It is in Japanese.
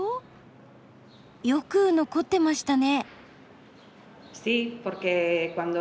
よく残ってましたね。